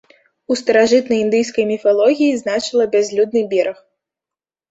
У старажытнай індыйскай міфалогіі значыла бязлюдны бераг.